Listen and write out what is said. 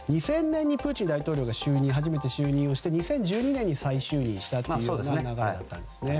２０００年にプーチン大統領が初めて就任をして２０１２年に再就任したという流れがあったんですね。